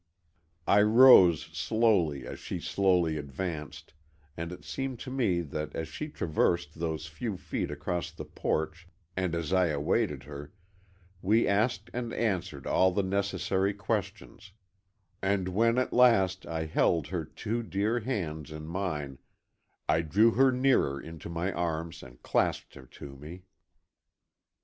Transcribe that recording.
I rose slowly, as she slowly advanced, and it seemed to me that as she traversed those few feet across the porch and as I awaited her, we asked and answered all the necessary questions, and when at last I held her two dear hands in mine, I drew her nearer into my arms and clasped her to me.